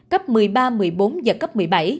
cấp một mươi ba một mươi bốn giật cấp một mươi bảy